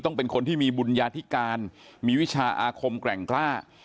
เป็นคนที่มีบุญญาธิการมีวิชาอาคมแกร่งกล้า